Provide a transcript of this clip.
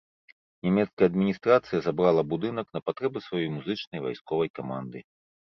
Нямецкая адміністрацыя забрала будынак на патрэбы сваёй музычнай вайсковай каманды.